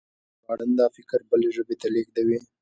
ژباړن دا فکر بلې ژبې ته لېږدوي.